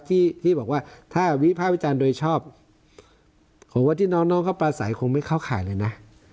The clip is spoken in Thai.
ที่ที่บอกว่าถ้าวิภาควิจารณ์โดยชอบผมว่าที่น้องน้องเขาปลาใสคงไม่เข้าข่ายเลยนะ